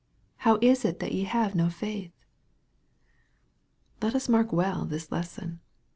How is it that ye have no faith ?" Let us mark well this lesson.